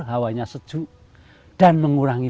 hawanya sejuk dan mengurangi